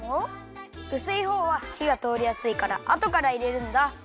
うすいほうはひがとおりやすいからあとからいれるんだ。